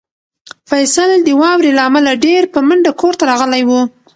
فیصل د واورې له امله ډېر په منډه کور ته راغلی و.